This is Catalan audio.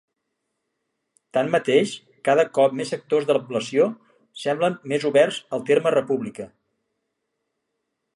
Tanmateix, cada cop més sectors de la població semblen més oberts al terme "república".